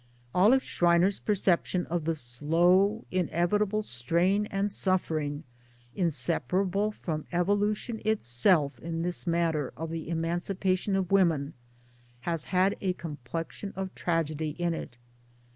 Olive Schreiner's perception of the slow inevitable strain and suffering inseparable from Evolution itself in this matter of the emancipation of women, has had a complexion of tragedy in it.